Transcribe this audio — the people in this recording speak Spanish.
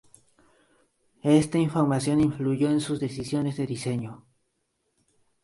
Esta información influyó en sus decisiones de diseño.